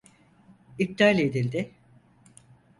İptal edildi.